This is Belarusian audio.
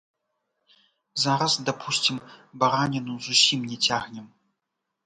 Зараз, дапусцім, бараніну зусім не цягнем.